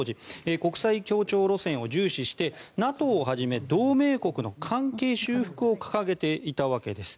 国際協調路線を重視してＮＡＴＯをはじめ同盟国の関係修復を掲げていたわけです。